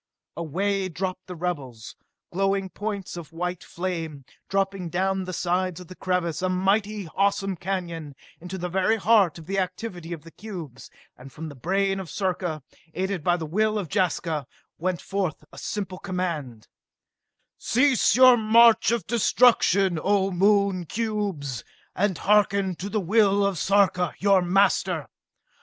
Away dropped the rebels, glowing points of white flame, dropping down the sides of the crevasse, a mighty, awesome canyon, into the very heart of the activity of the cubes, and from the brain of Sarka, aided by the will of Jaska, went forth a simple command: "Cease your march of destruction, O Moon cubes, and harken to the will of Sarka, your master!